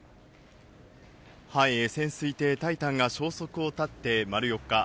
潜水艇タイタンが消息を絶って丸４日。